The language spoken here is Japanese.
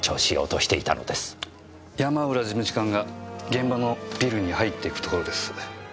山浦事務次官が現場のビルに入っていくところです。